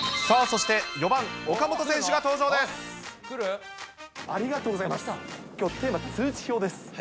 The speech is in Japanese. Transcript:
さあ、そして４番岡本選手が登場です。